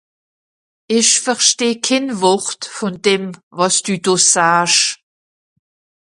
Ìch versteh kenn Wort vùn dem, wàs dü do saasch.